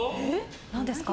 何ですか？